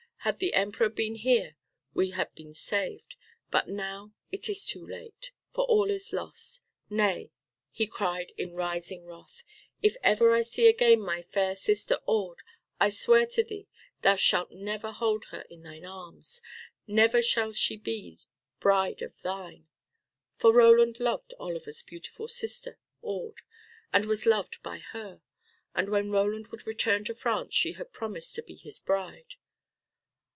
Had the Emperor been here we had been saved. But now it is too late, for all is lost. Nay," he cried in rising wrath, "if ever I see again my fair sister Aude, I swear to thee thou shalt never hold her in thine arms. Never shall she be bride of thine." For Roland loved Oliver's beautiful sister Aude and was loved by her, and when Roland would return to France she had promised to be his bride.